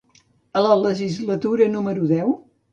A la legislatura número deu?